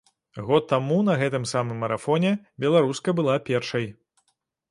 Год таму, на гэтым самым марафоне, беларуска была першай.